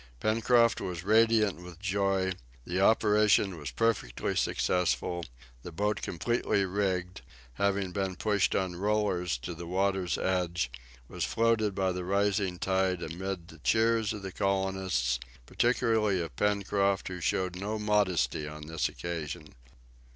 Pencroft was radiant with joy, the operation was perfectly successful; the boat completely rigged, having been pushed on rollers to the water's edge, was floated by the rising tide, amid the cheers of the colonists, particularly of Pencroft, who showed no modesty on this occasion.